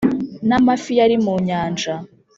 n’amafi yari mu nyanja.